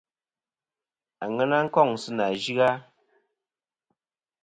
Àŋena nɨn kôŋ sɨ nà yɨ-a.